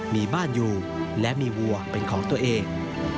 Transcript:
มีบ้านอยู่และมีวัวเป็นของตัวเอง